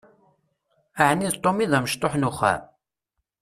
Ɛni d Tom i d amecṭuḥ n uxxam?